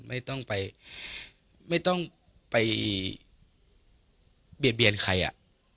ไม่ต้องไปไม่ต้องไปเบียดเบียนใครอ่ะ